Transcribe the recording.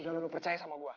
jangan lupa percaya sama gue